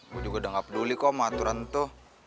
gue juga udah gak peduli kok sama aturan tuh